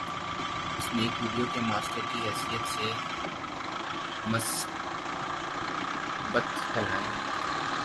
Snack Video کے master کی حیثیت سے ، مثبتیت پھیلائیں۔